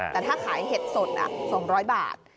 แต่ถ้าขายเห็ดสด๒๐๐บาท